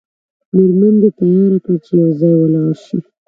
میرمن دې تیاره کړه چې یو ځای ولاړ شئ.